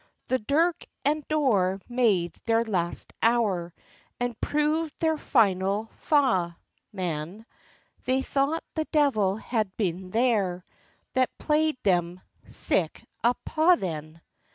The durk and door made their last hour, And prov'd their final fa', man; They thought the devil had been there, That play'd them sic a paw then.